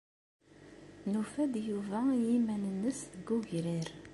Nufa-d Yuba i yiman-nnes deg wegrir.